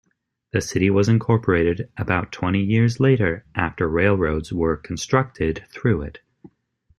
The city was incorporated about twenty years later after railroads were constructed through it.